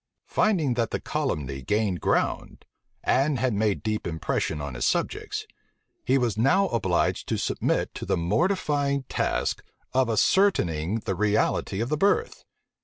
Finding that the calumny gained ground, and had made deep impression on his subjects, he was now obliged to submit to the mortifying task of ascertaining the reality of the birth.